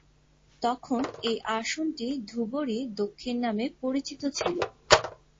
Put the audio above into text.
তখন এই আসনটি ধুবড়ী দক্ষিণ নামে পরিচিত ছিল।